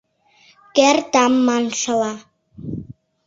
Кертам маншыла.